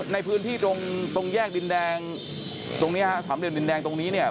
ในพื้นที่ตรงแยกดินแดงตรงนี้ฮะ๓เดือนดินแดงตรงนี้เนี่ย